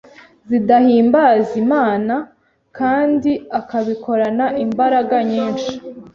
zidahimbaza Imana kandi akabikorana imbaraga nyinshi